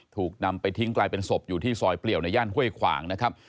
ถูกนำไปทิ้งกลายเป็นศพอยู่ที่ซอยเปลี่ยวในย่านห้วยขวางนะครับ